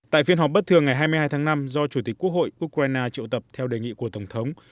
tại phiên họp bất thường ngày hai mươi hai tháng năm do chủ tịch quốc hội ukraine triệu tập theo đề nghị của tổng thống